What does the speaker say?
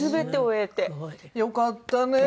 よかったね！